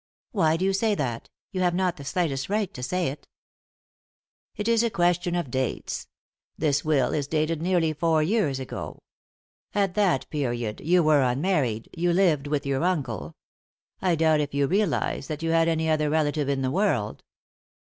"Why do you say that? You have not the slightest right to say it" "It is a question of dates. This will is dated nearly four years ago. At that period you were unmarried, you lived with your uncle ; I doubt if you realised that you had any other relative in the world."